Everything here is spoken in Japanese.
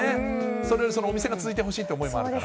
それよりそのお店が続いてほしいという思いもあるから。